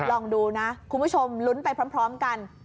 ลองดูนะคุณผู้ชมลุ้นไปพร้อมกัน